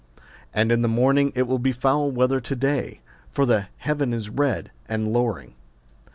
And in the morning, It will be foul weather to day : for the heaven is red and lowring.